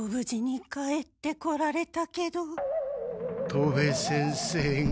戸部先生が。